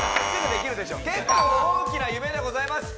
結構大きな夢でございます。